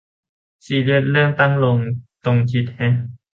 ซีเรียสเรื่องตั้งโลงตรงทิศแฮะ